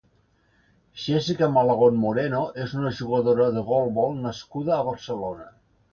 Jessica Malagón Moreno és una jugadora de golbol nascuda a Barcelona.